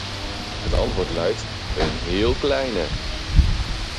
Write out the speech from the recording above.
Het antwoord luidt "een heel kleine”.